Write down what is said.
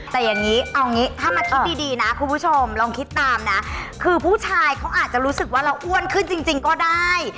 แต่อย่างนี้เอางี้ถ้ามาคิดดีนะคุณผู้ชมลองคิดตามนะคือผู้ชายเขาอาจจะรู้สึกว่าเราอ้วนขึ้นจริงก็ได้